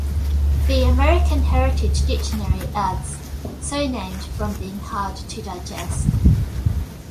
The American Heritage Dictionary adds "so named from being hard to digest".